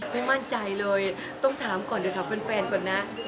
ไม่มั่นใจเลยต้องถามก่อนเดี๋ยวถามแฟนก่อนนะ